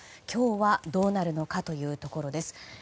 今日はどうなるのかというところです。